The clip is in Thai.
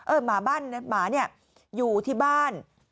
หมาบ้านนะหมาเนี่ยอยู่ที่บ้าน